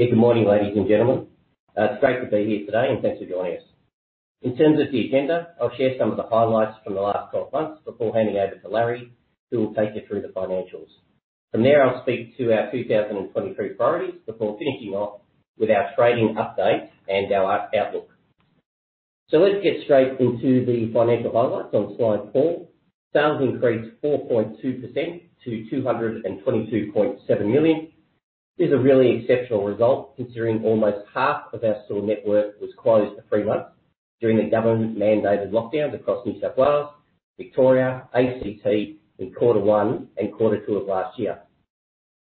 Hey, good morning, ladies and gentlemen. It's great to be here today, and thanks for joining us. In terms of the agenda, I'll share some of the highlights from the last 12 months before handing over to Larry, who will take you through the financials. From there, I'll speak to our 2023 priorities before finishing off with our trading update and our outlook. Let's get straight into the financial highlights on slide four. Sales increased 4.2% to 222.7 million. This is a really exceptional result, considering almost half of our store network was closed for three months during the government-mandated lockdowns across New South Wales, Victoria, ACT in quarter one and quarter two of last year.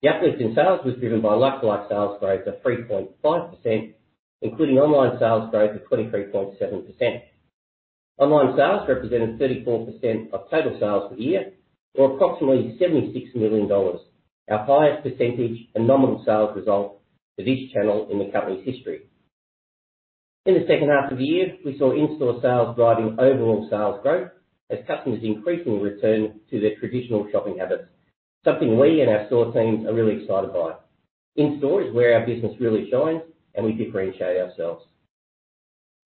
The uplift in sales was driven by like-for-like sales growth of 3.5%, including online sales growth of 23.7%. Online sales represented 34% of total sales for the year or approximately AUD 76 million, our highest percentage and nominal sales result for this channel in the company's history. In the second half of the year, we saw in-store sales driving overall sales growth as customers increasingly return to their traditional shopping habits, something we and our store teams are really excited by. In-store is where our business really shines and we differentiate ourselves.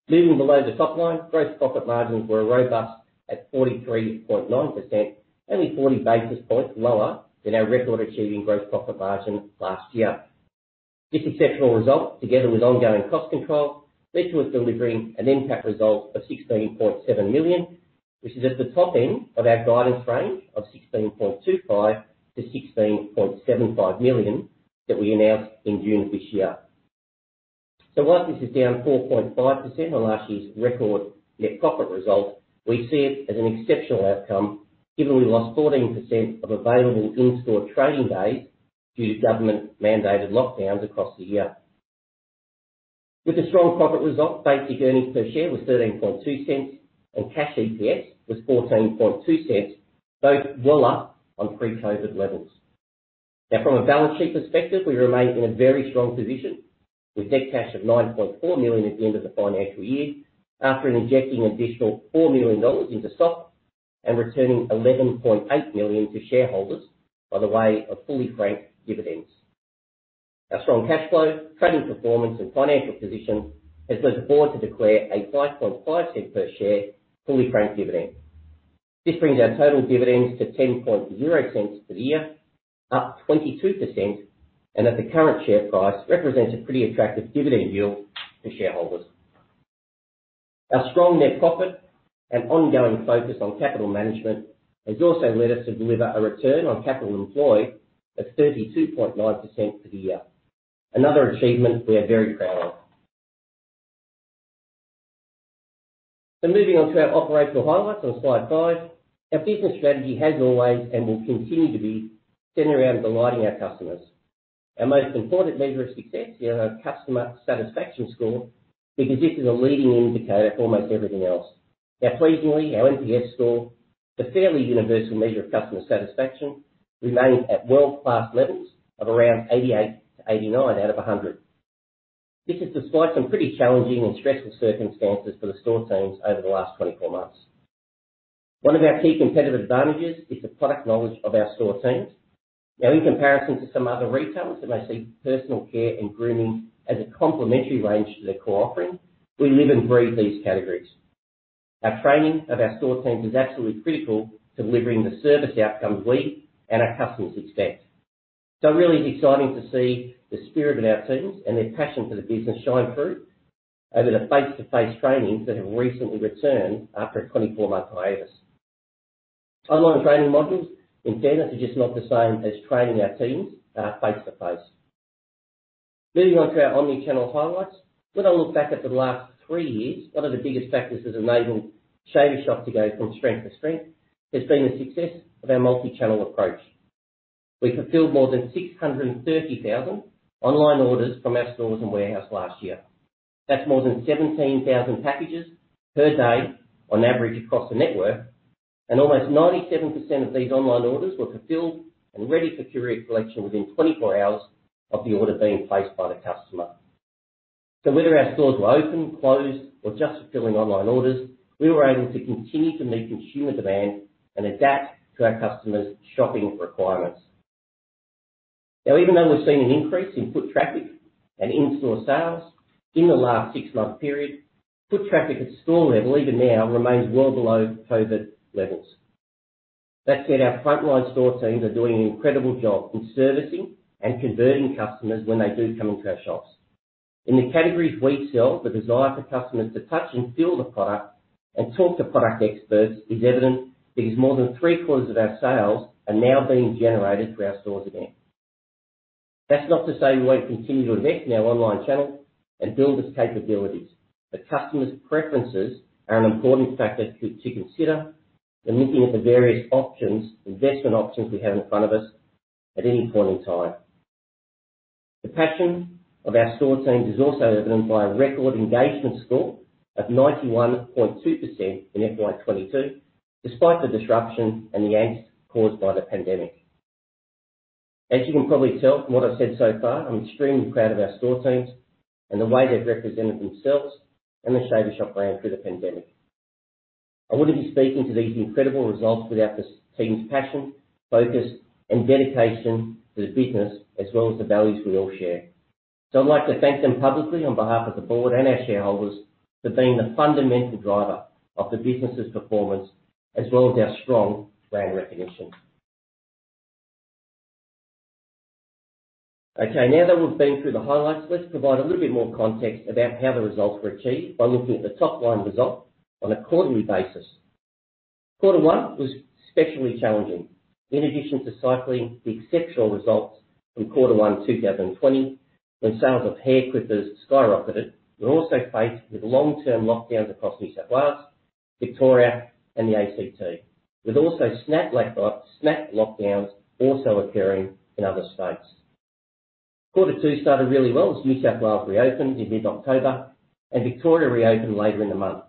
Moving below the top line, gross profit margins were robust at 43.9%, only 40 basis points lower than our record-achieving gross profit margin last year. This exceptional result, together with ongoing cost control, led to us delivering an NPAT result of 16.7 million, which is at the top end of our guidance range of 16.25 million-16.75 million that we announced in June of this year. Whilst this is down 4.5% on last year's record net profit result, we see it as an exceptional outcome given we lost 14% of available in-store trading days due to government-mandated lockdowns across the year. With a strong profit result, basic earnings per share was 0.132 and cash EPS was 0.142, both well up on pre-COVID levels. From a balance sheet perspective, we remain in a very strong position with net cash of 9.4 million an the end of the financial year after injecting an additional 4 million dollars into stock and returning 11.8 million to shareholders by way of fully franked dividends. Our strong cash flow, trading performance and financial position has led the board to declare a 0.055 per share fully franked dividend. This brings our total dividends to 0.10 for the year, up 22%, and at the current share price represents a pretty attractive dividend yield for shareholders. Our strong net profit and ongoing focus on capital management has also led us to deliver a return on capital employed of 32.9% for the year. Another achievement we are very proud of. Moving on to our operational highlights on slide five. Our business strategy has always and will continue to be centered around delighting our customers. Our most important measure of success is our customer satisfaction score, because this is a leading indicator of almost everything else. Now pleasingly, our NPS score, the fairly universal measure of customer satisfaction, remains at world-class levels of around 88-89 out of 100. This is despite some pretty challenging and stressful circumstances for the store teams over the last 24 months. One of our key competitive advantages is the product knowledge of our store teams. Now in comparison to some other retailers that may see personal care and grooming as a complementary range to their core offering, we live and breathe these categories. Our training of our store teams is absolutely critical to delivering the service outcomes we and our customers expect. Really exciting to see the spirit of our teams and their passion for the business shine through over the face-to-face trainings that have recently returned after a 24-month hiatus. Online training modules, in fairness, are just not the same as training our teams face-to-face. Moving on to our omnichannel highlights. When I look back at the last three years, one of the biggest factors that enabled Shaver Shop to go from strength to strength has been the success of our multichannel approach. We fulfilled more than 630,000 online orders from our stores and warehouse last year. That's more than 17,000 packages per day on average across the network, and almost 97% of these online orders were fulfilled and ready for courier collection within 24 hours of the order being placed by the customer. Whether our stores were open, closed, or just fulfilling online orders, we were able to continue to meet consumer demand and adapt to our customers' shopping requirements. Now, even though we've seen an increase in foot traffic and in-store sales in the last six-month period, foot traffic at store level even now remains well below COVID levels. That said, our frontline store teams are doing an incredible job in servicing and converting customers when they do come into our shops. In the categories we sell, the desire for customers to touch and feel the product and talk to product experts is evident because more than three-quarters of our sales are now being generated through our stores again. That's not to say we won't continue to invest in our online channel and build its capabilities. The customer's preferences are an important factor to consider when looking at the various options, investment options we have in front of us at any point in time. The passion of our store teams is also evident by a record engagement score of 91.2% in FY2022, despite the disruption and the angst caused by the pandemic. As you can probably tell from what I've said so far, I'm extremely proud of our store teams and the way they've represented themselves and the Shaver Shop brand through the pandemic. I wouldn't be speaking to these incredible results without this team's passion, focus, and dedication to the business as well as the values we all share. I'd like to thank them publicly on behalf of the board and our shareholders for being the fundamental driver of the business's performance as well as our strong brand recognition. Okay, now that we've been through the highlights, let's provide a little bit more context about how the results were achieved by looking at the top-line results on a quarterly basis. Quarter one was especially challenging. In addition to cycling the exceptional results from quarter one 2020, when sales of hair clippers skyrocketed, we're also faced with long-term lockdowns across New South Wales, Victoria, and the ACT, with snap lockdowns also occurring in other states. Quarter two started really well as New South Wales reopened in mid-October and Victoria reopened later in the month.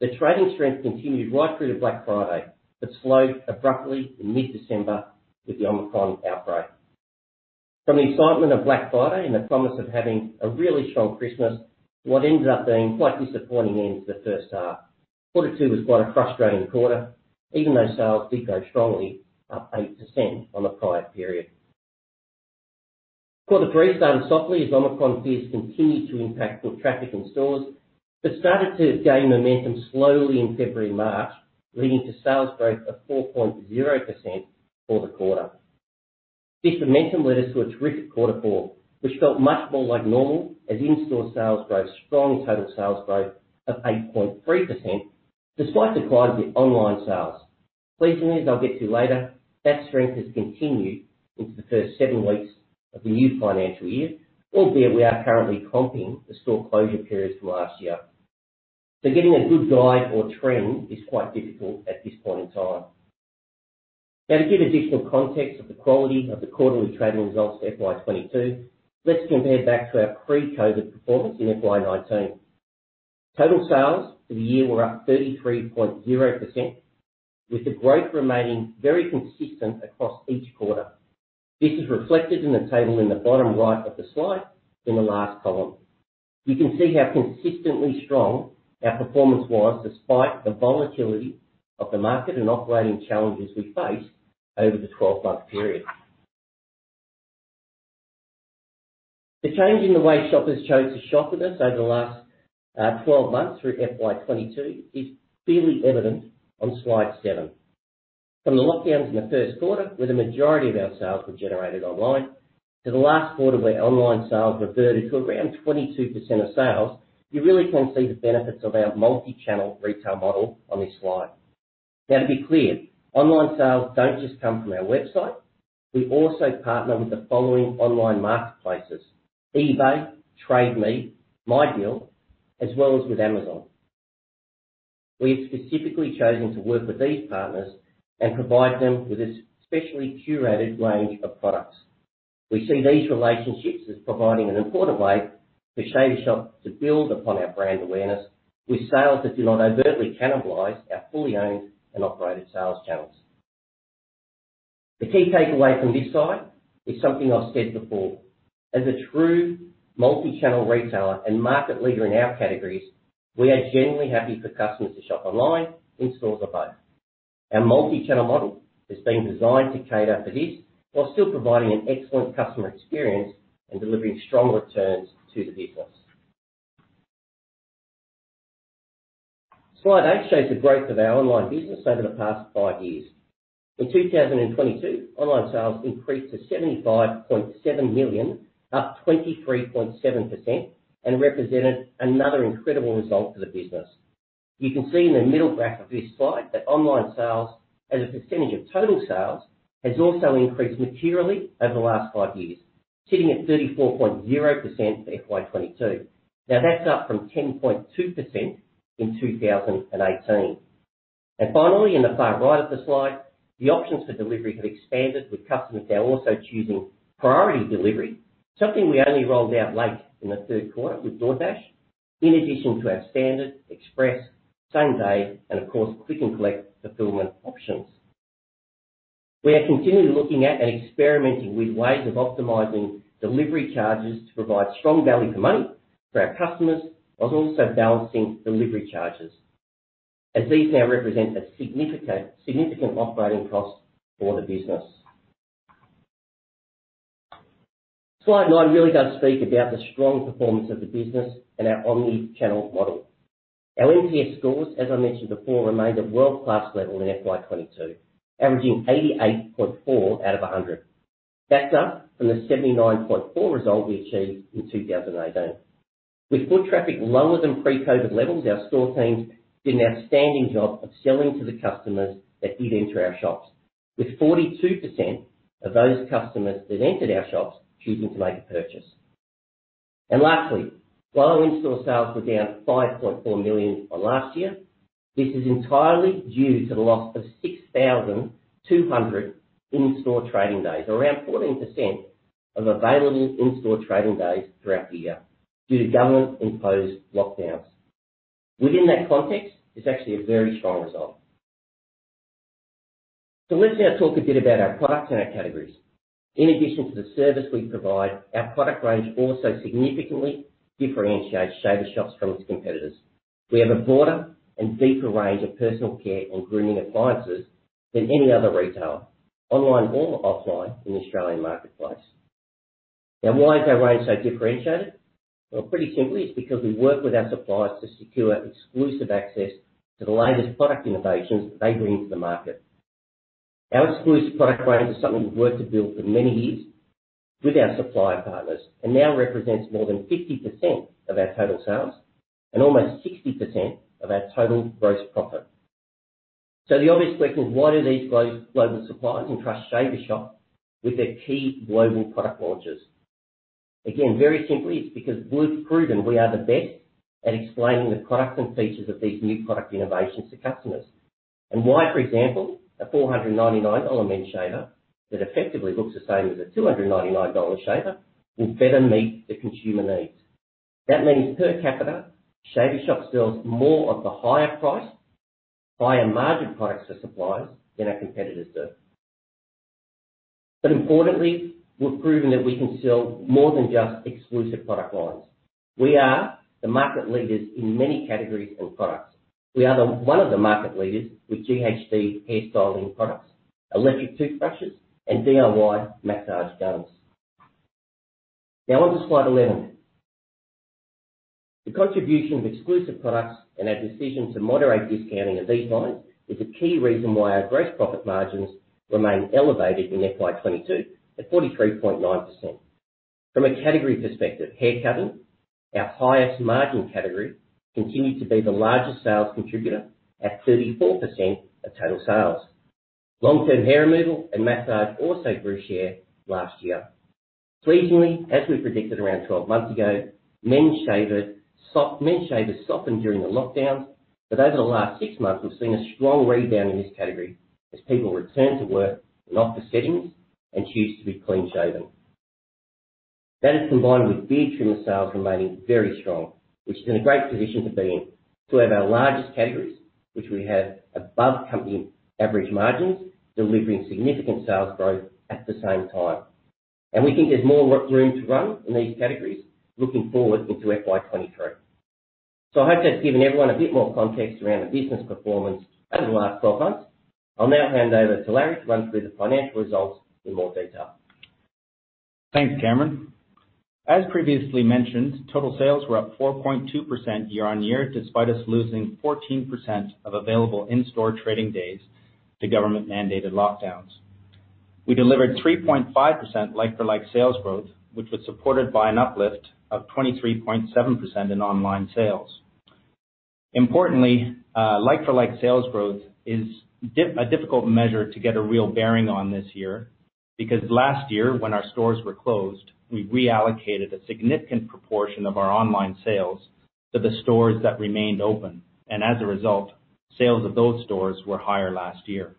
The trading strength continued right through to Black Friday, but slowed abruptly in mid-December with the Omicron outbreak. From the excitement of Black Friday and the promise of having a really strong Christmas, what ended up being quite disappointing end to the first half. Quarter two was quite a frustrating quarter, even though sales did grow strongly, up 8% on the prior period. Quarter three started softly as Omicron fears continued to impact foot traffic in stores, but started to gain momentum slowly in February, March, leading to sales growth of 4.0% for the quarter. This momentum led us to a terrific quarter four, which felt much more like normal as in-store sales growth, strong total sales growth of 8.3% despite decline of the online sales. Pleasingly, as I'll get to later, that strength has continued into the first seven weeks of the new financial year, albeit we are currently comping the store closure periods from last year. Getting a good guide or trend is quite difficult at this point in time. To give additional context of the quality of the quarterly trading results for FY2022, let's compare back to our pre-COVID performance in FY2019. Total sales for the year were up 33.0%, with the growth remaining very consistent across each quarter. This is reflected in the table in the bottom right of the slide in the last column. You can see how consistently strong our performance was despite the volatility of the market and operating challenges we faced over the 12-month period. The change in the way shoppers chose to shop with us over the last 12 months through FY22 is clearly evident on slide seven. From the lockdowns in the first quarter, where the majority of our sales were generated online, to the last quarter where online sales reverted to around 22% of sales, you really can see the benefits of our multi-channel retail model on this slide. Now to be clear, online sales don't just come from our website. We also partner with the following online marketplaces: eBay, Trade Me, MyDeal, as well as with Amazon. We've specifically chosen to work with these partners and provide them with a specially curated range of products. We see these relationships as providing an important way for Shaver Shop to build upon our brand awareness with sales that do not overtly cannibalize our fully owned and operated sales channels. The key takeaway from this slide is something I've said before. As a true multi-channel retailer and market leader in our categories, we are genuinely happy for customers to shop online, in stores or both. Our multi-channel model has been designed to cater for this while still providing an excellent customer experience and delivering strong returns to the business. Slide eight shows the growth of our online business over the past five years. In 2022, online sales increased to 75.7 million, up 23.7%, and represented another incredible result for the business. You can see in the middle graph of this slide that online sales as a percentage of total sales has also increased materially over the last five years, sitting at 34.0% for FY2022. Now that's up from 10.2% in 2018. Finally, in the far right of the slide, the options for delivery have expanded with customers now also choosing priority delivery, something we only rolled out late in the third quarter with DoorDash, in addition to our standard, express, same-day, and of course, Click and Collect fulfillment options. We are continually looking at and experimenting with ways of optimizing delivery charges to provide strong value for money for our customers while also balancing delivery charges, as these now represent a significant operating cost for the business. Slide nine really does speak about the strong performance of the business and our omnichannel model. Our NPS scores, as I mentioned before, remained at world-class level in FY2022, averaging 88.4 out of 100. That's up from the 79.4 result we achieved in 2018. With foot traffic lower than pre-COVID levels, our store teams did an outstanding job of selling to the customers that did enter our shops, with 42% of those customers that entered our shops choosing to make a purchase. Lastly, while our in-store sales were down 5.4 million on last year, this is entirely due to the loss of 6,200 in-store trading days, around 14% of available in-store trading days throughout the year due to government-imposed lockdowns. Within that context, it's actually a very strong result. Let's now talk a bit about our products and our categories. In addition to the service we provide, our product range also significantly differentiates Shaver Shop from its competitors. We have a broader and deeper range of personal care and grooming appliances than any other retailer, online or offline in the Australian marketplace. Now, why is our range so differentiated? Well, pretty simply, it's because we work with our suppliers to secure exclusive access to the latest product innovations that they bring to the market. Our exclusive product range is something we've worked to build for many years with our supplier partners and now represents more than 50% of our total sales and almost 60% of our total gross profit. The obvious question is, why do these global suppliers entrust Shaver Shop with their key global product launches? Again, very simply, it's because we've proven we are the best at explaining the products and features of these new product innovations to customers. Why, for example, a 499 dollar men's shaver that effectively looks the same as a 299 dollar shaver will better meet the consumer needs. That means per capita Shaver Shop sells more of the higher price, higher margin products to suppliers than our competitors do. Importantly, we've proven that we can sell more than just exclusive product lines. We are the market leaders in many categories and products. We are one of the market leaders with GHD hairstyling products, electric toothbrushes, and DIY massage guns. Now on to slide 11. The contribution of exclusive products and our decision to moderate discounting of these lines is a key reason why our gross profit margins remain elevated in FY2022 at 43.9%. From a category perspective, haircutting, our highest margin category, continued to be the largest sales contributor at 34% of total sales. Long-term hair removal and massage also grew share last year. Pleasingly, as we predicted around 12 months ago, Men's Shavers softened during the lockdowns, but over the last six months we've seen a strong rebound in this category as people return to work and office settings and choose to be clean shaven. That is combined with beard trimmer sales remaining very strong, which is in a great position to be in. Two of our largest categories, which we have above company average margins, delivering significant sales growth at the same time. We think there's more room to run in these categories looking forward into FY2023. I hope that's given everyone a bit more context around the business performance over the last 12 months. I'll now hand over to Larry to run through the financial results in more detail. Thanks, Cameron. As previously mentioned, total sales were up 4.2% year-on-year, despite us losing 14% of available in-store trading days to government-mandated lockdowns. We delivered 3.5% like-for-like sales growth, which was supported by an uplift of 23.7% in online sales. Importantly, like-for-like sales growth is a difficult measure to get a real bearing on this year because last year when our stores were closed, we reallocated a significant proportion of our online sales to the stores that remained open, and as a result, sales of those stores were higher last year.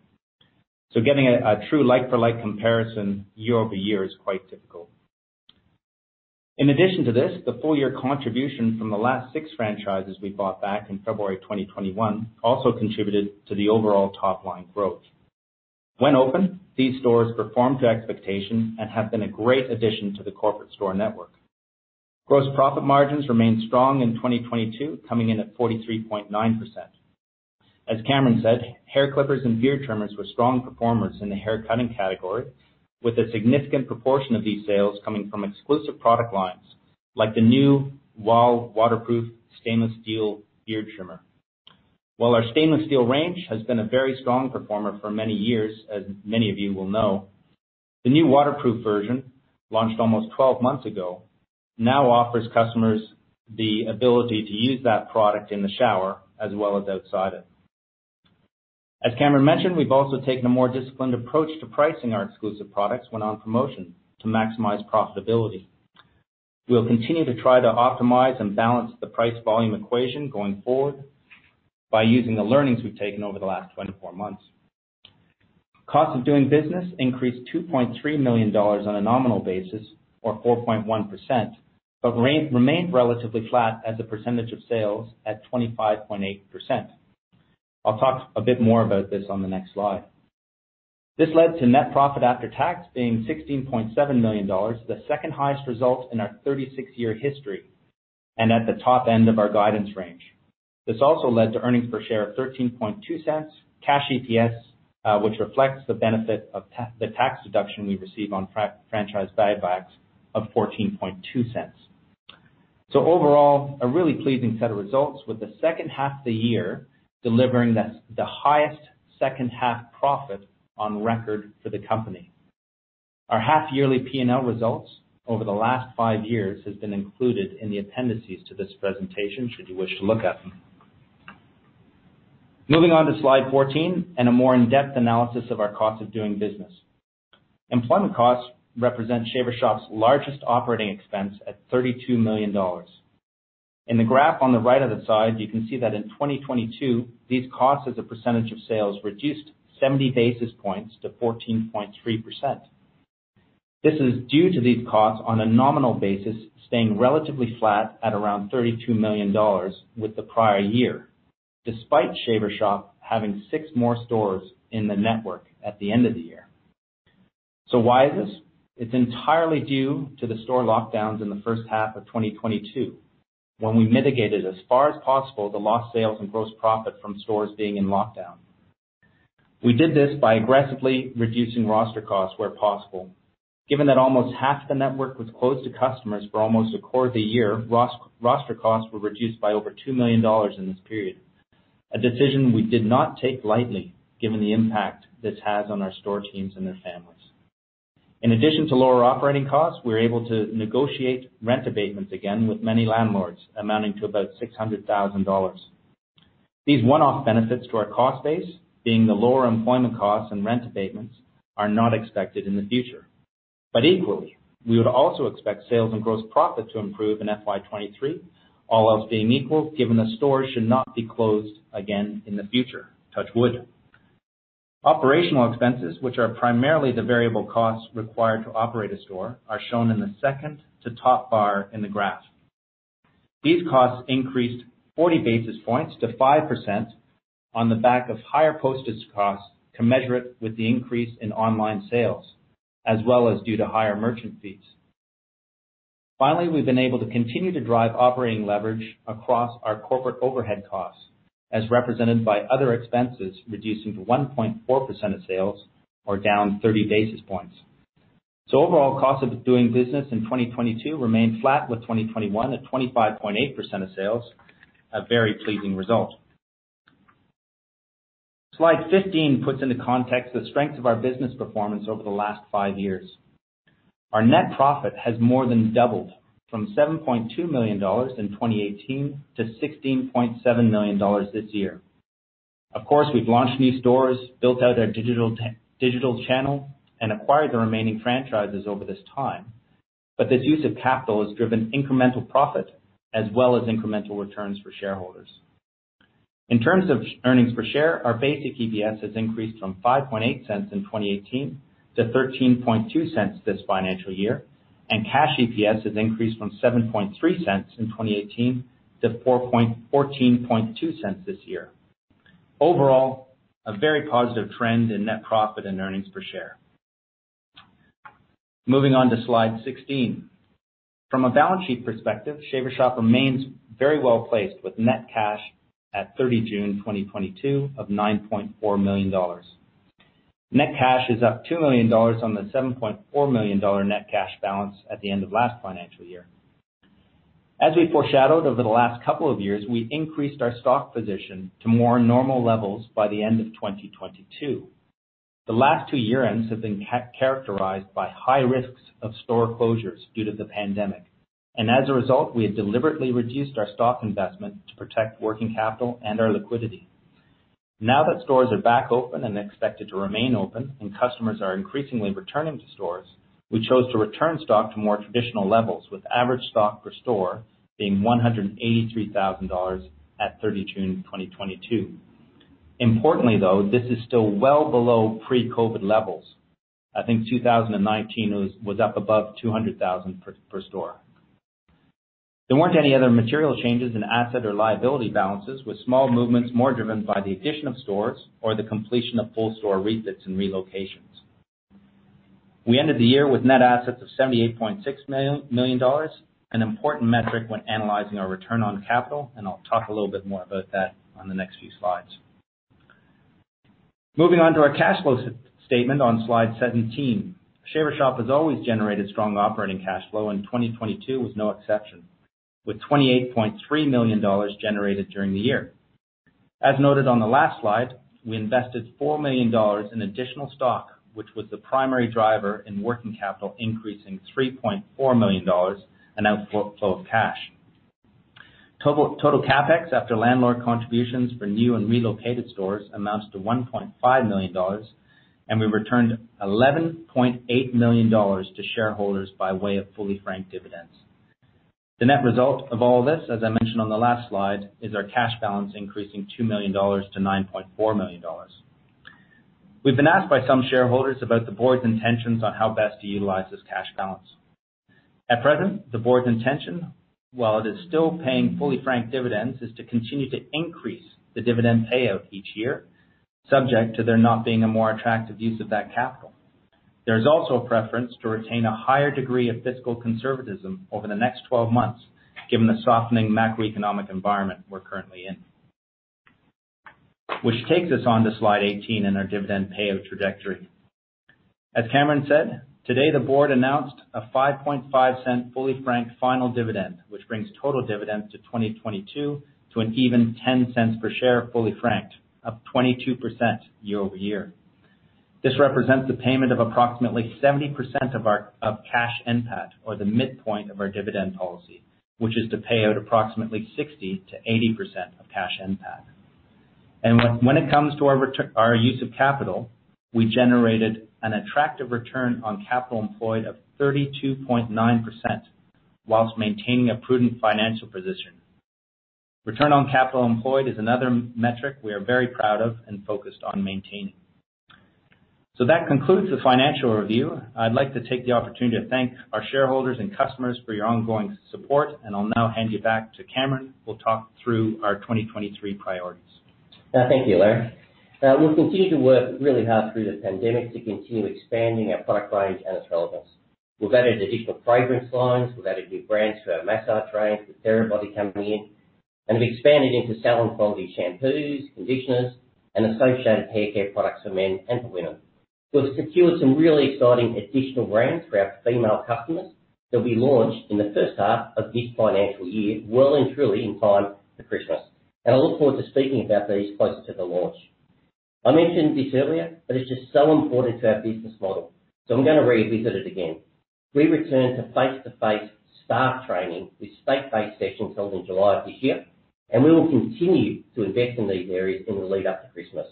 Getting a true like-for-like comparison year-over-year is quite difficult. In addition to this, the full year contribution from the last six franchises we bought back in February 2021 also contributed to the overall top line growth. When open, these stores performed to expectation and have been a great addition to the corporate store network. Gross profit margins remained strong in 2022, coming in at 43.9%. As Cameron said, hair clippers and beard trimmers were strong performers in the haircutting category, with a significant proportion of these sales coming from exclusive product lines, like the new Wahl Waterproof Stainless Steel beard trimmer. While our stainless steel range has been a very strong performer for many years, as many of you will know, the new waterproof version, launched almost 12 months ago, now offers customers the ability to use that product in the shower as well as outside it. As Cameron mentioned, we've also taken a more disciplined approach to pricing our exclusive products when on promotion to maximize profitability. We'll continue to try to optimize and balance the price-volume equation going forward by using the learnings we've taken over the last 24 months. Cost of doing business increased 2.3 million dollars on a nominal basis or 4.1%, but remained relatively flat as a percentage of sales at 25.8%. I'll talk a bit more about this on the next slide. This led to net profit after tax being 16.7 million dollars, the second highest result in our 36-year history, and at the top end of our guidance range. This also led to earnings per share of 0.132, cash EPS, which reflects the benefit of the tax deduction we receive on franchise buybacks of 0.142. Overall, a really pleasing set of results, with the second half of the year delivering the highest second half profit on record for the company. Our half yearly P&L results over the last 5 years has been included in the appendices to this presentation, should you wish to look at them. Moving on to slide 14 and a more in-depth analysis of our cost of doing business. Employment costs represent Shaver Shop's largest operating expense at 32 million dollars. In the graph on the right of the slide, you can see that in 2022, these costs as a percentage of sales reduced 70 basis points to 14.3%. This is due to these costs on a nominal basis, staying relatively flat at around 32 million dollars with the prior year, despite Shaver Shop having six more stores in the network at the end of the year. So why is this? It's entirely due to the store lockdowns in the first half of 2022, when we mitigated as far as possible the lost sales and gross profit from stores being in lockdown. We did this by aggressively reducing roster costs where possible. Given that almost half the network was closed to customers for almost a quarter year, roster costs were reduced by over 2 million dollars in this period. A decision we did not take lightly given the impact this has on our store teams and their families. In addition to lower operating costs, we were able to negotiate rent abatements again with many landlords, amounting to about 600 thousand dollars. These one-off benefits to our cost base, being the lower employment costs and rent abatements, are not expected in the future. Equally, we would also expect sales and gross profit to improve in FY2023, all else being equal, given the stores should not be closed again in the future. Touch wood. Operational expenses, which are primarily the variable costs required to operate a store, are shown in the second to top bar in the graph. These costs increased 40 basis points to 5% on the back of higher postage costs to match it with the increase in online sales, as well as due to higher merchant fees. Finally, we've been able to continue to drive operating leverage across our corporate overhead costs, as represented by other expenses, reducing to 1.4% of sales or down 30 basis points. Overall cost of doing business in 2022 remained flat with 2021 at 25.8% of sales, a very pleasing result. Slide 15 puts into context the strength of our business performance over the last five years. Our net profit has more than doubled from 7.2 million dollars in 2018 to 16.7 million dollars this year. Of course, we've launched new stores, built out our digital channel, and acquired the remaining franchises over this time. This use of capital has driven incremental profit as well as incremental returns for shareholders. In terms of earnings per share, our basic EPS has increased from 5.8 cents in 2018 to 13.2 cents this financial year, and cash EPS has increased from 7.3 cents in 2018 to 14.2 cents this year. Overall, a very positive trend in net profit and earnings per share. Moving on to slide 16. From a balance sheet perspective, Shaver Shop remains very well-placed with net cash at 30 June 2022 of 9.4 million dollars. Net cash is up 2 million dollars on the 7.4 million dollar net cash balance at the end of last financial year. As we foreshadowed over the last couple of years, we increased our stock position to more normal levels by the end of 2022. The last two year-ends have been characterized by high risks of store closures due to the pandemic. As a result, we have deliberately reduced our stock investment to protect working capital and our liquidity. Now that stores are back open and expected to remain open, and customers are increasingly returning to stores, we chose to return stock to more traditional levels, with average stock per store being 183,000 dollars at 30 June 2022. Importantly, though, this is still well below pre-COVID levels. I think 2019 it was up above 200,000 per store. There weren't any other material changes in asset or liability balances, with small movements more driven by the addition of stores or the completion of full store refits and relocations. We ended the year with net assets of 78.6 million dollars, an important metric when analyzing our return on capital, and I'll talk a little bit more about that on the next few slides. Moving on to our cash flow statement on slide 17. Shaver Shop has always generated strong operating cash flow, and 2022 was no exception, with 28.3 million dollars generated during the year. As noted on the last slide, we invested 4 million dollars in additional stock, which was the primary driver in working capital, increasing 3.4 million dollars, an outflow of cash. Total CapEx after landlord contributions for new and relocated stores amounts to 1.5 million dollars, and we returned 11.8 million dollars to shareholders by way of fully franked dividends. The net result of all this, as I mentioned on the last slide, is our cash balance increasing 2 million dollars to 9.4 million dollars. We've been asked by some shareholders about the board's intentions on how best to utilize this cash balance. At present, the board's intention, while it is still paying fully franked dividends, is to continue to increase the dividend payout each year, subject to there not being a more attractive use of that capital. There is also a preference to retain a higher degree of fiscal conservatism over the next 12 months given the softening macroeconomic environment we're currently in. Which takes us on to slide 18 and our dividend payout trajectory. As Cameron said, today the board announced a 0.055 fully franked final dividend, which brings total dividends to 2022 to an even 0.10 per share, fully franked, up 22% year-over-year. This represents a payment of approximately 70% of our cash NPAT or the midpoint of our dividend policy, which is to pay out approximately 60%-80% of cash NPAT. When it comes to our use of capital, we generated an attractive return on capital employed of 32.9% while maintaining a prudent financial position. Return on capital employed is another metric we are very proud of and focused on maintaining. That concludes the financial review. I'd like to take the opportunity to thank our shareholders and customers for your ongoing support, and I'll now hand you back to Cameron, who'll talk through our 2023 priorities. Now, thank you, Larry. Now, we've continued to work really hard through the pandemic to continue expanding our product range and its relevance. We've added additional fragrance lines. We've added new brands to our massage range, with Therabody coming in, and we've expanded into salon-quality shampoos, conditioners, and associated haircare products for men and for women. We have secured some really exciting additional brands for our female customers that will be launched in the first half of this financial year, well and truly in time for Christmas. I look forward to speaking about these closer to the launch. I mentioned this earlier, but it's just so important to our business model, so I'm gonna revisit it again. We return to face-to-face staff training with state-based sessions held in July of this year, and we will continue to invest in these areas in the lead-up to Christmas.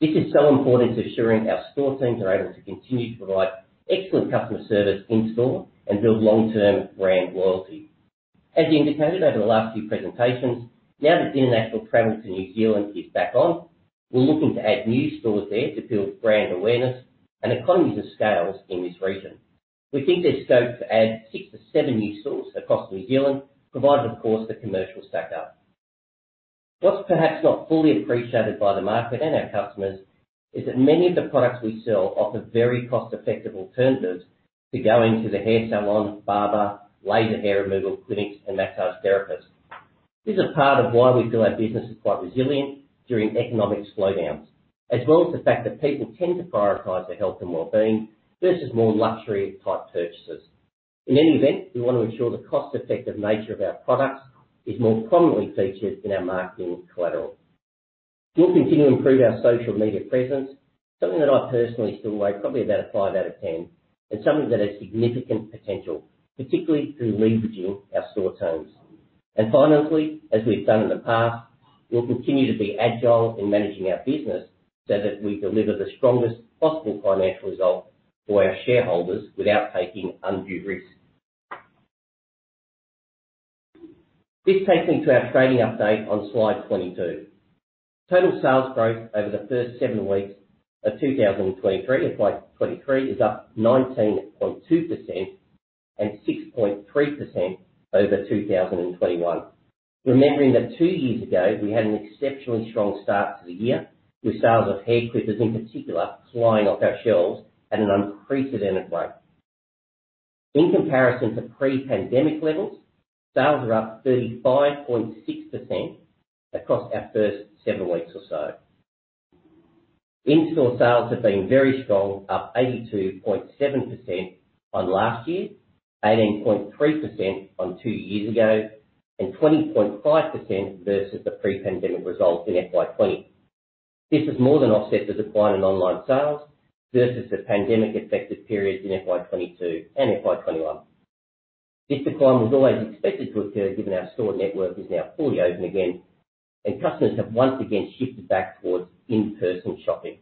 This is so important to ensuring our store teams are able to continue to provide excellent customer service in store and build long-term brand loyalty. As indicated over the last few presentations, now that international travel to New Zealand is back on, we're looking to add new stores there to build brand awareness and economies of scale in this region. We think there's scope to add six to seven new stores across New Zealand, provided of course the commercial stack up. What's perhaps not fully appreciated by the market and our customers is that many of the products we sell offer very cost-effective alternatives to going to the hair salon, barber, laser hair removal clinics, and massage therapists. This is part of why we feel our business is quite resilient during economic slowdowns, as well as the fact that people tend to prioritize their health and well-being versus more luxury-type purchases. In any event, we want to ensure the cost-effective nature of our products is more prominently featured in our marketing collateral. We'll continue to improve our social media presence, something that I personally feel like probably about a five out of 10, and something that has significant potential, particularly through leveraging our store teams. Finally, as we've done in the past, we'll continue to be agile in managing our business so that we deliver the strongest possible financial result for our shareholders without taking undue risk. This takes me to our trading update on slide 22. Total sales growth over the first seven weeks of 2023, of slide 23, is up 19.2% and 6.3% over 2021. Remembering that two years ago we had an exceptionally strong start to the year, with sales of hair clippers in particular flying off our shelves at an unprecedented rate. In comparison to pre-pandemic levels, sales are up 35.6% across our first seven weeks or so. In-store sales have been very strong, up 82.7% on last year, 18.3% on two years ago, and 20.5% versus the pre-pandemic results in FY2020. This has more than offset the decline in online sales versus the pandemic-affected periods in FY2022 and FY2021. This decline was always expected to occur given our store network is now fully open again and customers have once again shifted back towards in-person shopping.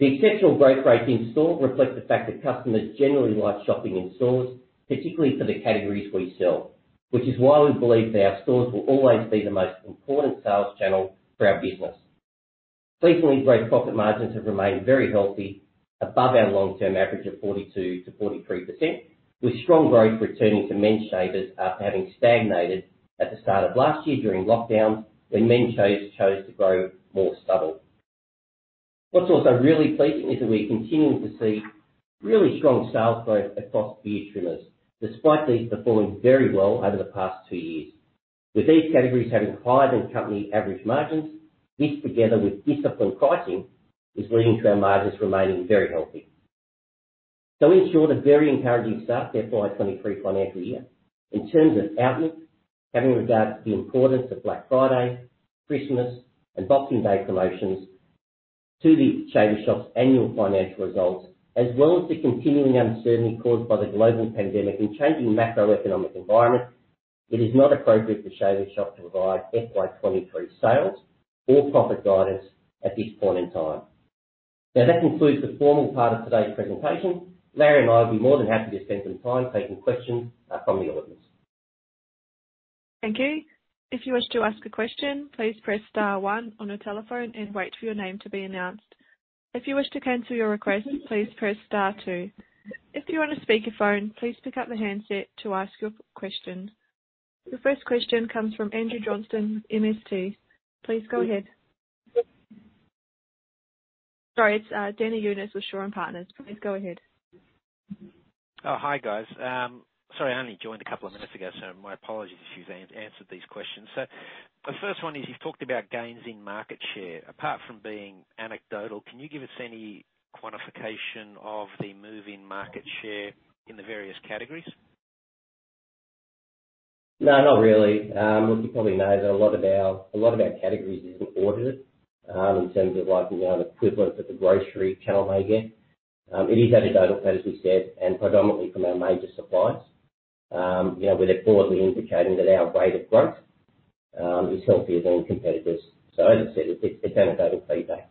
The exceptional growth rates in store reflect the fact that customers generally like shopping in stores, particularly for the categories we sell, which is why we believe that our stores will always be the most important sales channel for our business. Pleasingly, gross profit margins have remained very healthy, above our long-term average of 42%-43%, with strong growth returning to men's shavers after having stagnated at the start of last year during lockdowns when men chose to grow more stubble. What's also really pleasing is that we're continuing to see really strong sales growth across beard trimmers, despite these performing very well over the past two years. With these categories having higher than company average margins, this together with disciplined pricing, is leading to our margins remaining very healthy. We ensure the very encouraging start to FY2023 financial year. In terms of outlook, having regard to the importance of Black Friday, Christmas, and Boxing Day promotions to the Shaver Shop's annual financial results, as well as the continuing uncertainty caused by the global pandemic and changing macroeconomic environment, it is not appropriate for Shaver Shop to provide FY2023 sales or profit guidance at this point in time. Now, that concludes the formal part of today's presentation. Larry and I will be more than happy to spend some time taking questions, from the audience. Thank you. If you wish to ask a question, please press star one on your telephone and wait for your name to be announced. If you wish to cancel your request, please press star two. If you're on a speakerphone, please pick up the handset to ask your question. The first question comes from Andrew Johnston, MST. Please go ahead. Sorry. It's Danny Younis with Shaw and Partners. Please go ahead. Oh, hi, guys. Sorry, I only joined a couple of minutes ago, so my apologies if you've answered these questions. The first one is, you've talked about gains in market share. Apart from being anecdotal, can you give us any quantification of the move in market share in the various categories? No, not really. Look, you probably know that a lot of our categories isn't audited, in terms of like, you know, an equivalent that the grocery channel may get. It is anecdotal, as we said, and predominantly from our major suppliers. You know, where they're broadly indicating that our rate of growth is healthier than competitors. As I said, it's anecdotal feedback.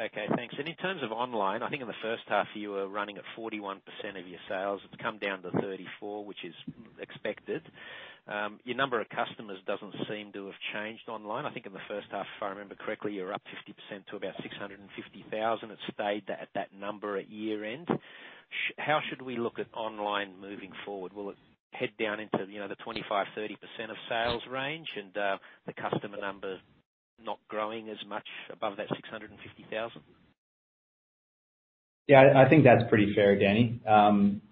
Okay, thanks. In terms of online, I think in the first half, you were running at 41% of your sales. It's come down to 34%, which is expected. Your number of customers doesn't seem to have changed online. I think in the first half, if I remember correctly, you were up 50% to about 650,000. It stayed at that number at year-end. How should we look at online moving forward? Will it head down into, you know, the 25%-30% of sales range and the customer numbers not growing as much above that 650,000? Yeah, I think that's pretty fair, Danny.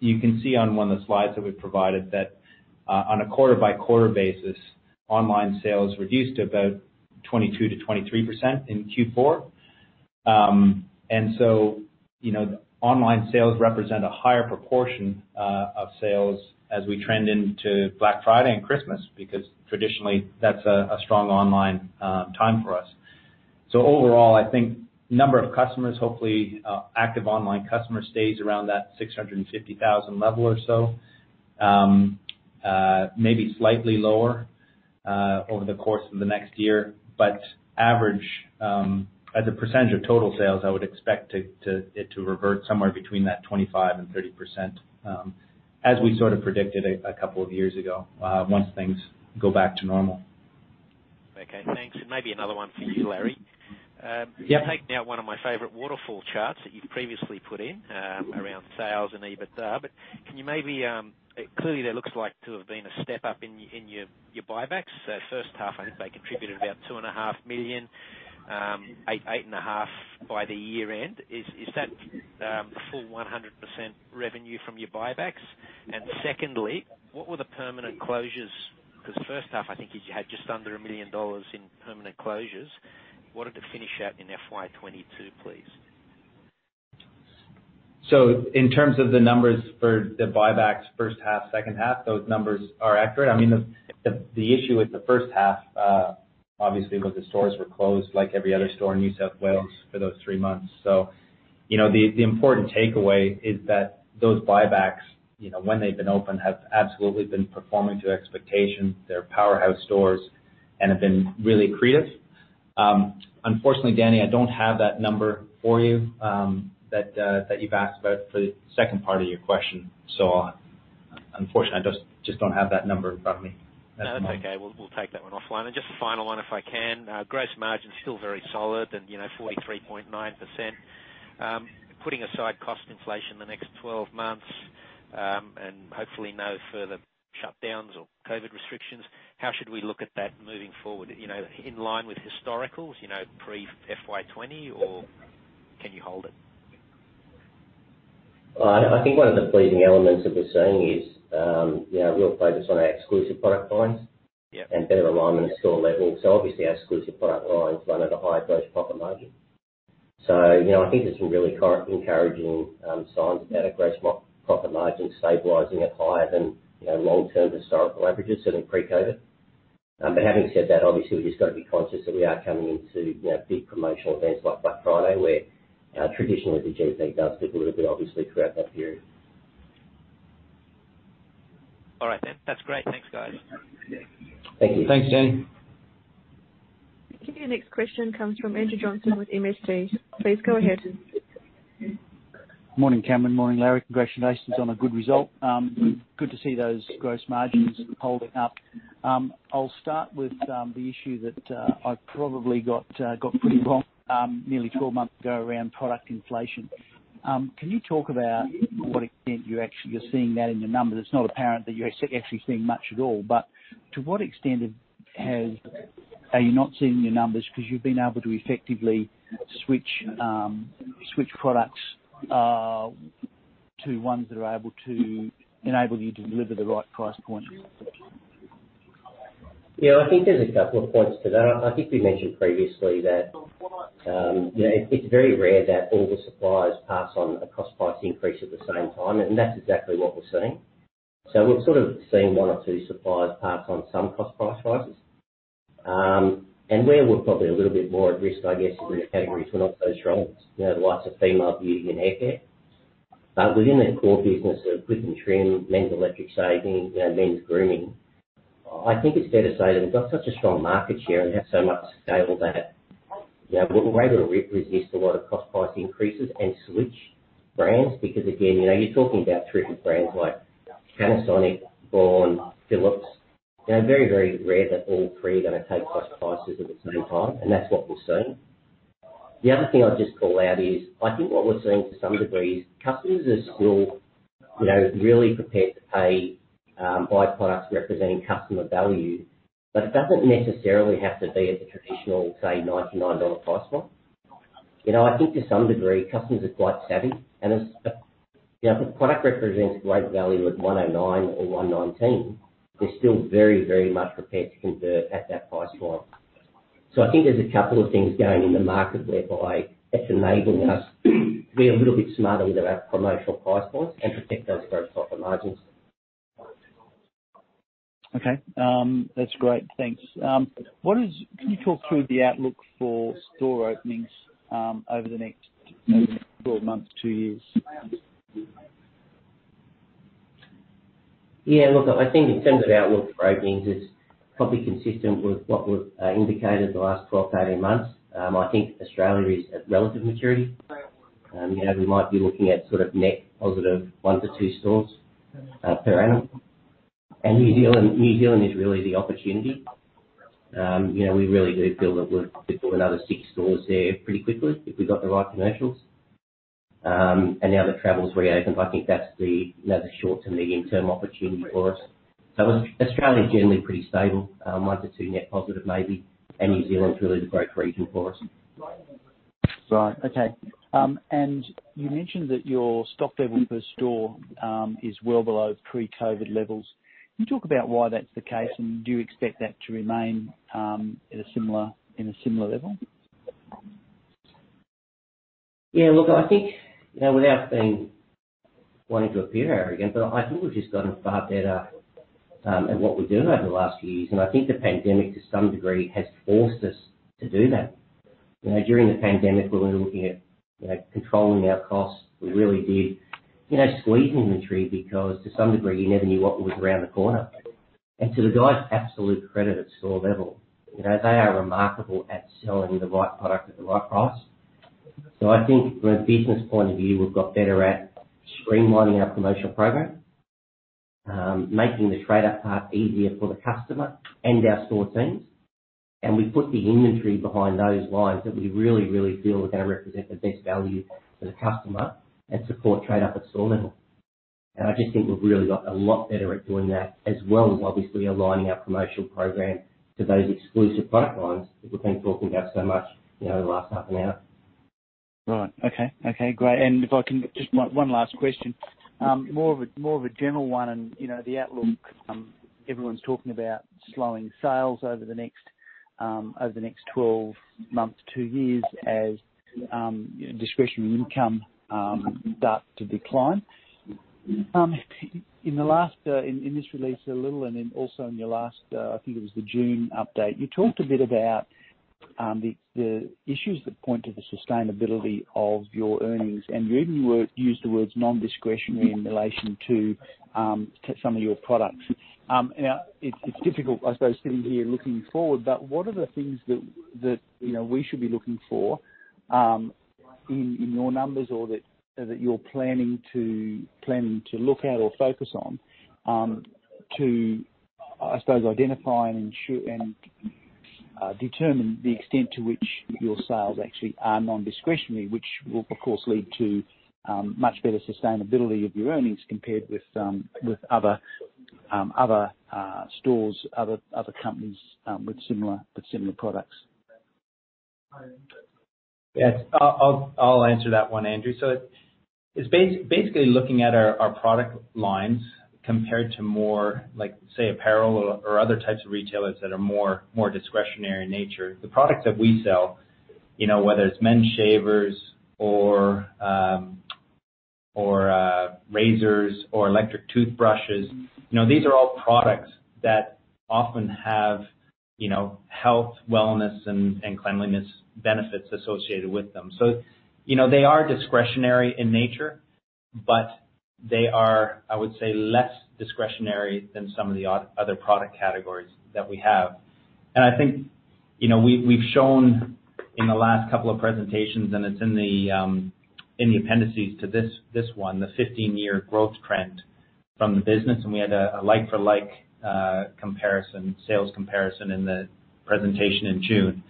You can see on one of the slides that we've provided that on a quarter-by-quarter basis, online sales reduced to about 22-23% in Q4. You know, online sales represent a higher proportion of sales as we trend into Black Friday and Christmas because traditionally that's a strong online time for us. Overall, I think number of customers, hopefully, active online customers stays around that 650,000 level or so, maybe slightly lower over the course of the next year. Average as a percentage of total sales, I would expect it to revert somewhere between that 25%-30%, as we sort of predicted a couple of years ago once things go back to normal. Okay, thanks. Maybe another one for you, Larry. Yeah. I'm taking out one of my favorite waterfall charts that you've previously put in, around sales and EBITDA. Can you maybe. Clearly, there looks like to have been a step-up in your buybacks. First half, I think they contributed about 2.5 million, 8.5 million by the year-end. Is that full 100% revenue from your buybacks? And secondly, what were the permanent closures? Because first half, I think you had just under 1 million dollars in permanent closures. What did they finish at in FY2022, please? In terms of the numbers for the buybacks first half, second half, those numbers are accurate. The issue with the first half obviously was the stores were closed like every other store in New South Wales for those three months. The important takeaway is that those buybacks when they've been open have absolutely been performing to expectation. They're powerhouse stores and have been really accretive. Unfortunately, Danny, I don't have that number for you that you've asked about for the second part of your question. Unfortunately, I just don't have that number in front of me at the moment. No, that's okay. We'll take that one offline. Just the final one if I can. Gross margin still very solid and, you know, 43.9%. Putting aside cost inflation the next 12 months, and hopefully no further shutdowns or COVID restrictions, how should we look at that moving forward? You know, in line with historicals, you know, pre-FY2020, or can you hold it? I think one of the pleasing elements that we're seeing is, you know, real focus on our exclusive product lines. Yeah. Better alignment at store level. Obviously our exclusive product line run at a higher gross profit margin. You know, I think there's some really encouraging signs about our gross profit margin stabilizing at higher than, you know, long-term historical averages, certainly pre-COVID. But having said that, obviously we've just got to be conscious that we are coming into, you know, big promotional events like Black Friday, where traditionally the GP does dip a little bit, obviously, throughout that period. All right. That, that's great. Thanks, guys. Thank you. Thanks, Danny. Your next question comes from Andrew Johnston with MST. Please go ahead. Morning, Cameron. Morning, Larry. Congratulations on a good result. Good to see those gross margins holding up. I'll start with the issue that I probably got pretty wrong nearly 12 months ago around product inflation. Can you talk about to what extent you actually are seeing that in the numbers? It's not apparent that you're actually seeing much at all. But to what extent are you not seeing your numbers because you've been able to effectively switch products to ones that are able to enable you to deliver the right price point? Yeah. I think there's a couple of points to that. I think we mentioned previously that, you know, it's very rare that all the suppliers pass on a cost price increase at the same time, and that's exactly what we're seeing. We've sort of seen one or two suppliers pass on some cost price rises. And where we're probably a little bit more at risk, I guess, is in the categories we're not so strong, you know, the likes of female beauty and haircare. Within that core business of equipment trim, men's electric shaving, you know, men's grooming, I think it's fair to say that we've got such a strong market share and have so much scale that, you know, we're able to resist a lot of cost price increases and switch brands. Because again, you know, you're talking about competing brands like Panasonic, Braun, Philips. You know, very, very rare that all three are gonna take price rises at the same time, and that's what we're seeing. The other thing I'd just call out is, I think what we're seeing to some degree is customers are still, you know, really prepared to pay, buy products representing customer value, but it doesn't necessarily have to be at the traditional, say, AUD 99 price point. You know, I think to some degree, customers are quite savvy, and as, you know, if a product represents great value at 109 or 119, they're still very, very much prepared to convert at that price point. I think there's a couple of things going in the market whereby it's enabling us to be a little bit smarter with our promotional price points and protect those gross profit margins. Okay. That's great. Thanks. Can you talk through the outlook for store openings over the next twelve months, two years? Yeah. Look, I think in terms of outlook for openings, it's probably consistent with what we've indicated the last 12-18 months. I think Australia is at relative maturity. You know, we might be looking at sort of net positive one to two stores per annum. New Zealand is really the opportunity. You know, we really do feel that we could do another six stores there pretty quickly if we got the right commercials. Now that travel's reopened, I think that's the short to medium term opportunity for us. Australia is generally pretty stable. One to two net positive maybe, and New Zealand is really the growth region for us. Right. Okay. You mentioned that your stock level per store is well below pre-COVID levels. Can you talk about why that's the case and do you expect that to remain in a similar level? Yeah. Look, I think, you know, without wanting to appear arrogant, but I think we've just gotten far better at what we're doing over the last few years. I think the pandemic, to some degree, has forced us to do that. You know, during the pandemic, we were looking at, you know, controlling our costs. We really did, you know, squeeze inventory because to some degree, you never knew what was around the corner. To the guys' absolute credit at store level, you know, they are remarkable at selling the right product at the right price. I think from a business point of view, we've got better at streamlining our promotional program, making the trade-up part easier for the customer and our store teams. We put the inventory behind those lines that we really feel are gonna represent the best value for the customer and support trade-up at store level. I just think we've really got a lot better at doing that as well as obviously aligning our promotional program to those exclusive product lines that we've been talking about so much, you know, over the last half an hour. Right. Okay. Okay, great. If I can get just one last question. More of a general one and, you know, the outlook. Everyone's talking about slowing sales over the next 12 months to two years as, you know, discretionary income starts to decline. In the latest release a little and also in your last, I think it was the June update, you talked a bit about the issues that point to the sustainability of your earnings. You even used the words non-discretionary in relation to some of your products. Now it's difficult, I suppose, sitting here looking forward, but what are the things that, you know, we should be looking for in your numbers or that you're planning to look at or focus on, to, I suppose, identify and ensure and determine the extent to which your sales actually are non-discretionary, which will of course lead to much better sustainability of your earnings compared with other stores, other companies with similar products. Yes. I'll answer that one, Andrew. It's basically looking at our product lines compared to more like, say, apparel or other types of retailers that are more discretionary in nature. The products that we sell, you know, whether it's Men's Shavers or razors or electric toothbrushes, you know, these are all products that often have, you know, health, wellness, and cleanliness benefits associated with them. You know, they are discretionary in nature, but they are, I would say, less discretionary than some of the other product categories that we have. I think, you know, we've shown in the last couple of presentations, and it's in the appendices to this one, the 15-year growth trend from the business, and we had a like-for-like sales comparison in the presentation in June.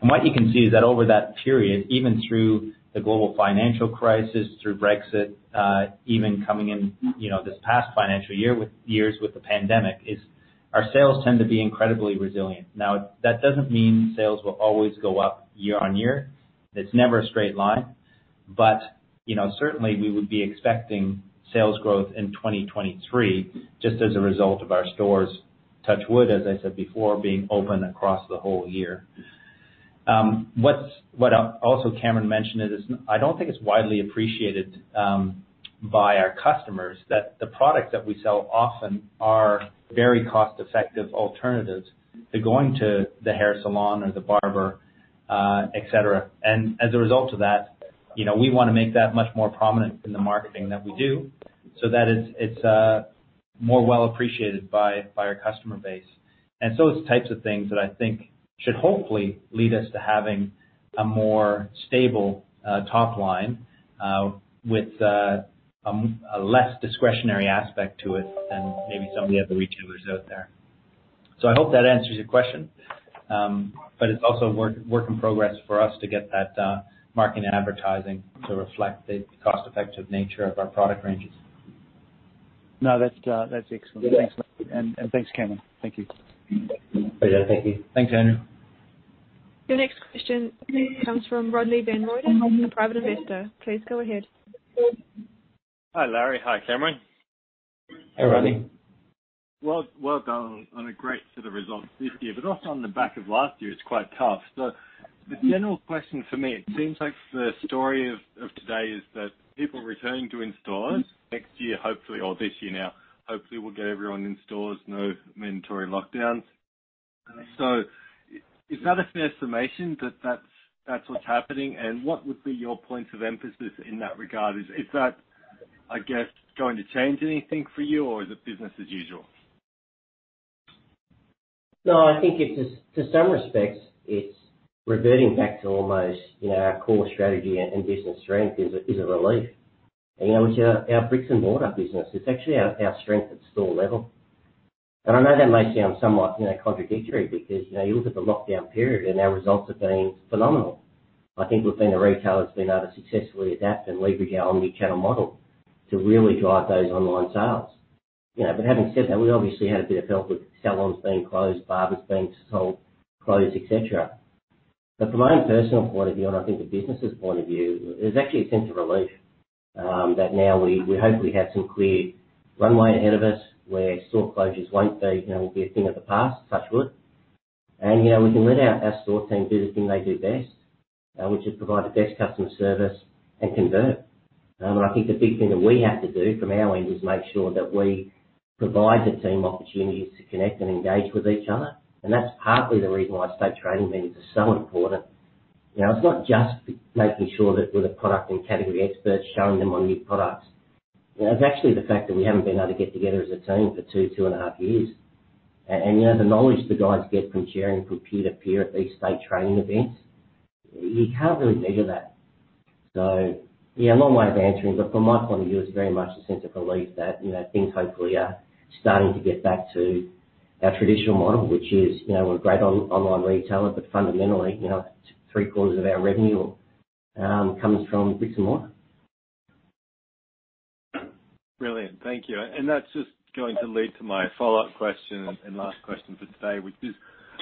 What you can see is that over that period, even through the global financial crisis, through Brexit, even coming in, you know, this past financial year with the pandemic, is our sales tend to be incredibly resilient. Now, that doesn't mean sales will always go up year on year. It's never a straight line. You know, certainly we would be expecting sales growth in 2023, just as a result of our stores, touch wood, as I said before, being open across the whole year. What also Cameron mentioned is I don't think it's widely appreciated by our customers that the products that we sell often are very cost-effective alternatives to going to the hair salon or the barber, et cetera. As a result of that, you know, we wanna make that much more prominent in the marketing that we do so that it's more widely appreciated by our customer base. It's types of things that I think should hopefully lead us to having a more stable top line with a less discretionary aspect to it than maybe some of the other retailers out there. I hope that answers your question. It's also a work in progress for us to get that marketing and advertising to reflect the cost-effective nature of our product ranges. No, that's excellent. Yeah. Thanks. Thanks, Cameron. Thank you. Pleasure. Thank you. Thanks, Andrew. Your next question comes from Rodney Benroy from The Private Investor. Please go ahead. Hi, Larry. Hi, Cameron. Hey, Rodney. Well, well done on a great set of results this year, but also on the back of last year, it's quite tough. The general question for me, it seems like the story of today is that people returning to in-stores next year, hopefully, or this year now. Hopefully, we'll get everyone in stores, no mandatory lockdowns. Is that a fair summation that that's what's happening? What would be your points of emphasis in that regard? Is that, I guess, going to change anything for you or is it business as usual? No, I think it is. In some respects, it's reverting back to almost, you know, our core strategy and business strength is a relief. You know, which our bricks and mortar business. It's actually our strength at store level. I know that may sound somewhat, you know, contradictory because, you know, you look at the lockdown period and our results have been phenomenal. I think we've been a retailer that's been able to successfully adapt and leverage our omnichannel model to really drive those online sales. You know, but having said that, we obviously had a bit of help with salons being closed, barbers being told, "Close," et cetera. From my own personal point of view, and I think the business' point of view, there's actually a sense of relief, that now we hopefully have some clear runway ahead of us where store closures won't be, you know, will be a thing of the past, touch wood. You know, we can let our store team do the thing they do best, which is provide the best customer service and convert. I think the big thing that we have to do from our end is make sure that we provide the team opportunities to connect and engage with each other. That's partly the reason why state training meetings are so important. You know, it's not just making sure that we're the product and category experts showing them our new products. You know, it's actually the fact that we haven't been able to get together as a team for two and a half years. And you know, the knowledge the guys get from sharing from peer to peer at these state training events, you can't really measure that. Yeah, long way of answering, but from my point of view, it's very much a sense of relief that, you know, things hopefully are starting to get back to our traditional model, which is, you know, we're a great online retailer, but fundamentally, you know, three-quarters of our revenue comes from bricks and mortar. Brilliant. Thank you. That's just going to lead to my follow-up question and last question for today, which is,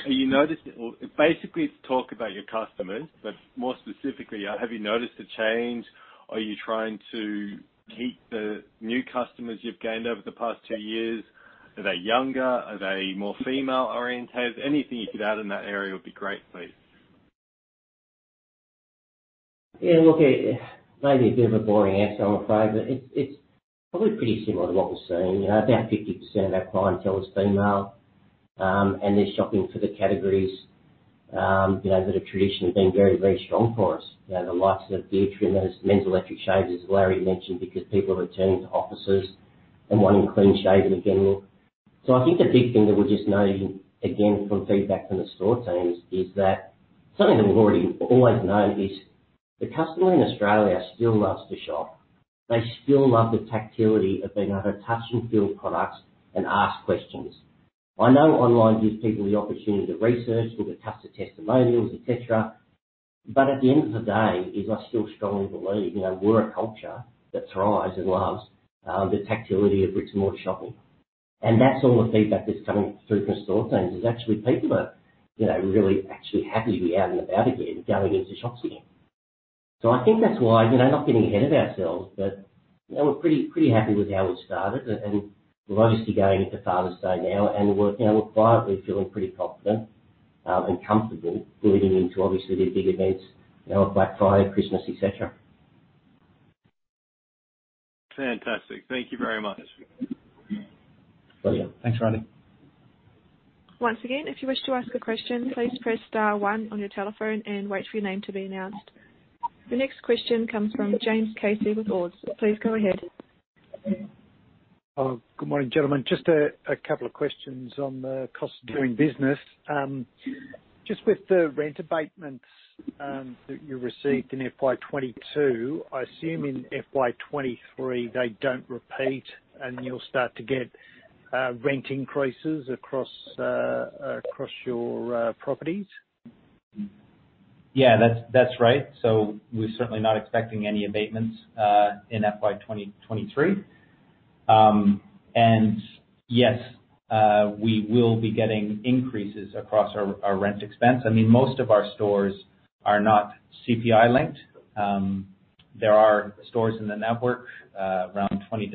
are you noticing? Well, basically it's to talk about your customers, but more specifically, have you noticed a change? Are you trying to keep the new customers you've gained over the past two years? Are they younger? Are they more female-oriented? Anything you could add in that area would be great, please. Yeah, look, it may be a bit of a boring answer, I'm afraid, but it's probably pretty similar to what we're seeing. You know, about 50% of our clientele is female. They're shopping for the categories, you know, that have traditionally been very strong for us. You know, the likes of beard trimmers, men's electric shavers, as Larry mentioned, because people are returning to offices and wanting a clean shave. I think the big thing that we're just knowing, again, from feedback from the store teams is that something that we've already always known is the customer in Australia still loves to shop. They still love the tactility of being able to touch and feel products and ask questions. I know online gives people the opportunity to research, look at customer testimonials, et cetera. At the end of the day, I still strongly believe, you know, we're a culture that thrives and loves the tactility of bricks and mortar shopping. That's all the feedback that's coming through from store teams. Actually people are, you know, really actually happy to be out and about again, going into shops again. I think that's why, you know, not getting ahead of ourselves, but, you know, we're pretty happy with how we started. We're obviously going into Father's Day now and we're, you know, quietly feeling pretty confident and comfortable leading into obviously the big events, you know, of Black Friday, Christmas, et cetera. Fantastic. Thank you very much. Pleasure. Thanks, Rodney. Once again, if you wish to ask a question, please press star one on your telephone and wait for your name to be announced. The next question comes from James Casey with Ord. Please go ahead. Good morning, gentlemen. Just a couple of questions on the cost of doing business. Just with the rent abatements that you received in FY2022, I assume in FY2023 they don't repeat, and you'll start to get rent increases across your properties. Yeah. That's right. We're certainly not expecting any abatements in FY2023. Yes, we will be getting increases across our rent expense. I mean, most of our stores are not CPI linked. There are stores in the network around 20%-30%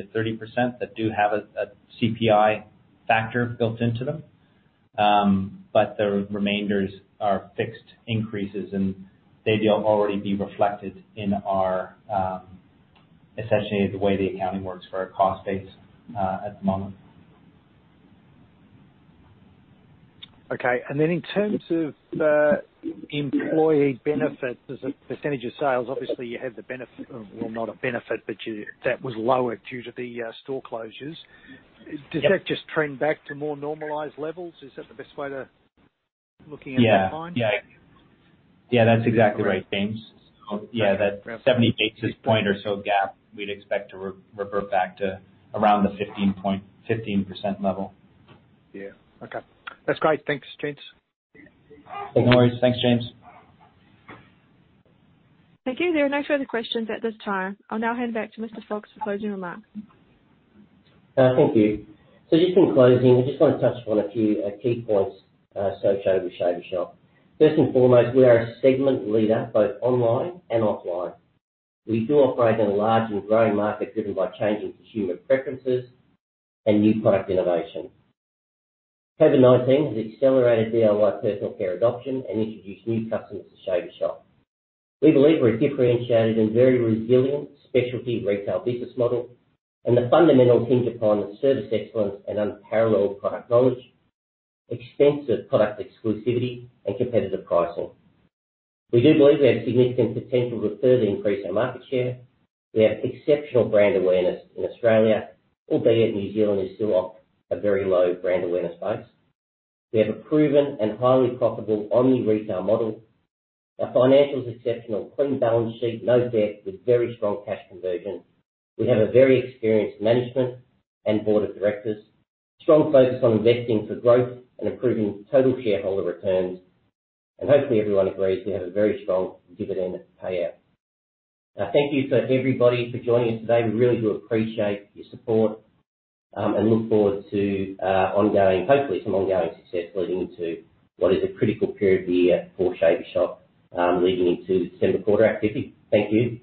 that do have a CPI factor built into them. The remainders are fixed increases, and they'd already be reflected in our essentially the way the accounting works for our cost base at the moment. Okay. In terms of employee benefits as a percentage of sales, obviously you have the benefit of, well, not a benefit, but you, that was lowered due to the store closures. Yep. Does that just trend back to more normalized levels? Is that the best way to looking at that line? Yeah, that's exactly right, James. That 70 basis point or so gap we'd expect to revert back to around the 15% level. Yeah. Okay. That's great. Thanks, James. No worries. Thanks, James. Thank you. There are no further questions at this time. I'll now hand back to Mr. Fox for closing remarks. Thank you. Just in closing, I just want to touch upon a few key points, so Shaver Shop. First and foremost, we are a segment leader, both online and offline. We do operate in a large and growing market driven by changing consumer preferences and new product innovation. COVID-19 has accelerated DIY personal care adoption and introduced new customers to Shaver Shop. We believe we're a differentiated and very resilient specialty retail business model, and the fundamentals hinge upon the service excellence and unparalleled product knowledge, extensive product exclusivity and competitive pricing. We do believe we have significant potential to further increase our market share. We have exceptional brand awareness in Australia, albeit New Zealand is still off a very low brand awareness base. We have a proven and highly profitable omnichannel model. Our financials exceptional. Clean balance sheet, no debt with very strong cash conversion. We have a very experienced management and board of directors. Strong focus on investing for growth and improving total shareholder returns. Hopefully everyone agrees we have a very strong dividend payout. Now thank you to everybody for joining us today. We really do appreciate your support, and look forward to hopefully some ongoing success leading into what is a critical period of the year for Shaver Shop, leading into the December quarter activity. Thank you.